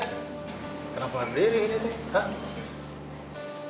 kenapa sendiri ini teh